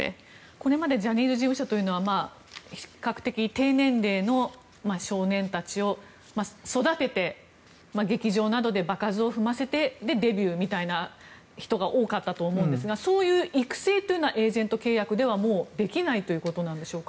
これまでジャニーズ事務所というのは比較的、低年齢の少年たちを育てて劇場などで場数を踏ませてデビューというような人が多かったと思うんですがそういう育成というのはエージェント契約ではできないということでしょうか？